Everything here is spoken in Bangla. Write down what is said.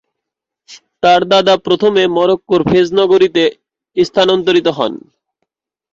তার দাদা প্রথমে মরক্কোর 'ফেজ' নগরীতে স্থানান্তরিত হন।